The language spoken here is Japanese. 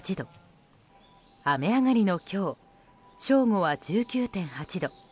雨上がりの今日正午は１９．８度。